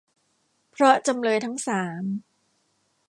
เพราะจำเลยทั้งสาม